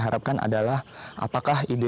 harapkan adalah apakah ide